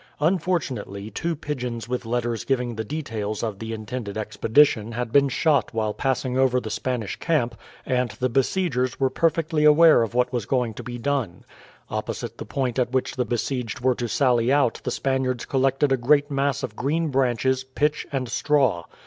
Unfortunately two pigeons with letters giving the details of the intended expedition had been shot while passing over the Spanish camp, and the besiegers were perfectly aware of what was going to be done. Opposite the point at which the besieged were to sally out the Spaniards collected a great mass of green branches, pitch, and straw.